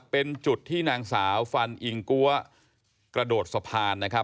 เป็นจุดที่นางสาวฟันอิงกัวกระโดดสะพานนะครับ